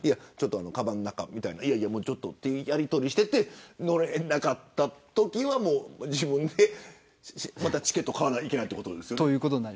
かばんの中ちょっとというやり取りをして乗れなかったときは自分でまたチケットを買わなきゃいけない。